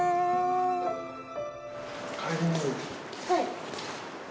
はい。